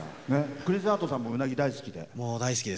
クリス・ハートさんもうなぎ、大好きで？